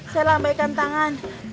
saya lambaikan tangan